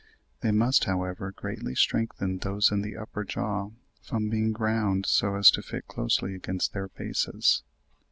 They must, however, greatly strengthen those in the upper jaw, from being ground so as to fit closely against their bases.